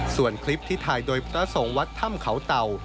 ส่วนคลิปที่ถ่ายโดยพระสงฆ์วัดถ้ำเขาเต่า